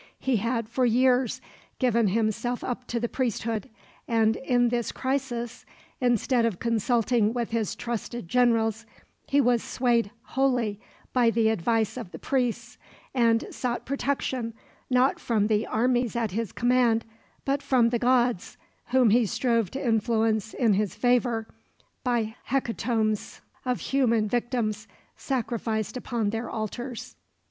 He had, for years, given himself up to the priesthood; and in this crisis, instead of consulting with his trusted generals, he was swayed wholly by the advice of the priests; and sought protection, not from the armies at his command, but from the gods, whom he strove to influence in his favor by hecatombs of human victims, sacrificed upon their altars.